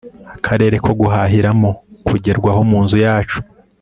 akarere ko guhahiramo kugerwaho munzu yacu